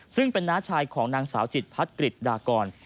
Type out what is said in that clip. ซึ่งเป็นน้าชายของนางสาวจิตพัดกฤษดากร